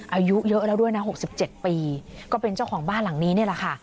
อายุเยอะแล้วด้วยนะ๖๗ปีก็เป็นเจ้าของบ้านหลังนี้นี่แหละค่ะ